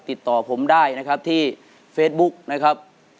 ติดต่อผมได้นะครับที่เฟซบุ๊กนะครับ